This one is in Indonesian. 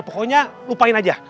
pokoknya lupain aja